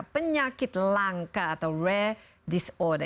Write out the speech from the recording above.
penyakit langka atau rare disorder